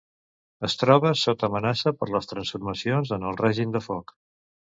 Es troba sota amenaça per les transformacions en el règim de foc.